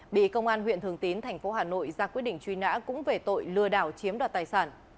bị công an huyện thường tín thành phố hà nội ra quyết định truy nã cũng về tội lừa đảo chiếm đoạt tài sản